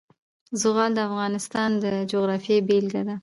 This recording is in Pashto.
زغال د افغانستان د جغرافیې بېلګه ده.